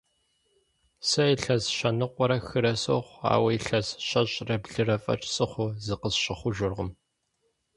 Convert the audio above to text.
Сэ илъэс щэныкъуэрэ хырэ сохъу, ауэ илъэс щэщӏрэ блырэ фӏэкӏ сыхъуу зыкъысщыхъужыркъым.